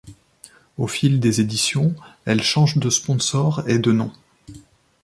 Au fil des éditions, elle change de sponsor et de nom.